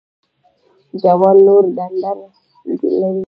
جوار لوړ ډنډر لري